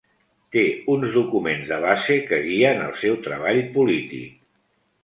Té uns documents de base que guien el seu treball polític.